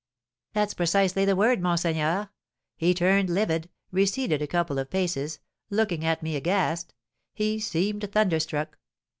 "That's precisely the word, monseigneur. He turned livid, receded a couple of paces, looking at me aghast; he seemed thunderstruck.